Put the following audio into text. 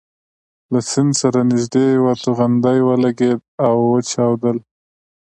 له سیند سره نژدې یوه توغندۍ ولګېدل او وچاودل.